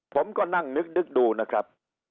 ผมก็นั่งนึกดูนะครับ